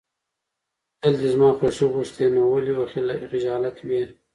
تل د زما خوښي غوښتې، نو ولې به خجالت وې.